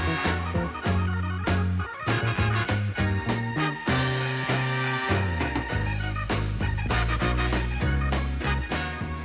โปรดติดตามตอนต่อไป